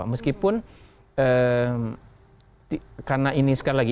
meskipun karena ini sekali lagi